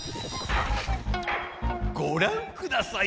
ごらんください